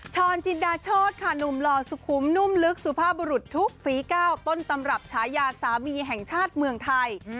จินดาโชธค่ะหนุ่มหล่อสุขุมนุ่มลึกสุภาพบุรุษทุกฝีก้าวต้นตำรับฉายาสามีแห่งชาติเมืองไทย